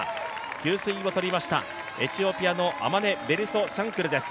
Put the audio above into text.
給水をとりました、エチオピアのアマネ・ベリソ・シャンクルです。